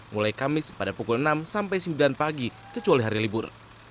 mulai kamis pada pukul enam sampai sembilan pagi kecuali hari libur